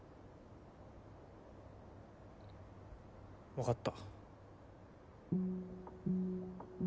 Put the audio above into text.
分かった。